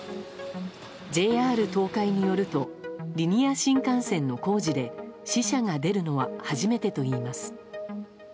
ＪＲ東海によるとリニア新幹線の工事で死者が出るのは初めてといいます。